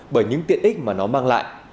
bởi những tiện ích mà nó mang lại